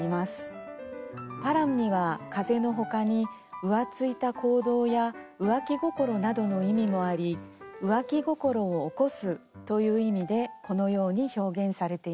パラムには風のほかに浮ついた行動や浮気心などの意味もあり浮気心を起こすという意味でこのように表現されています。